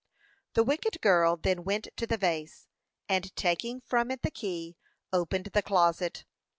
The wicked girl then went to the vase, and taking from it the key, opened the closet.